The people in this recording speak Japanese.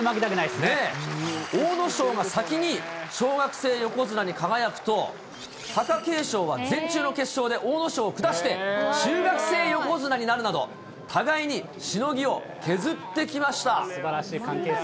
阿武咲が先に小学生横綱に輝くと、貴景勝は全中の決勝で阿武咲を下して、中学生横綱になるなど、すばらしい関係性。